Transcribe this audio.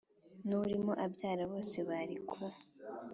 n urimo abyara bose bari ku